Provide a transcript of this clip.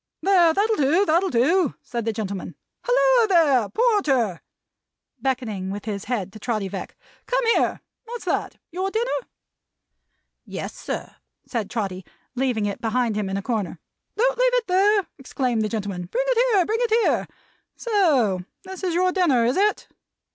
"There! That'll do, that'll do!" said the gentleman, "Halloa there! Porter!" beckoning with his head to Trotty Veck, "Come here. What's that? Your dinner?" "Yes, sir," said Trotty, leaving it behind him in a corner. "Don't leave it there!" exclaimed the gentleman. "Bring it here, bring it here! So! this is your dinner, is it?"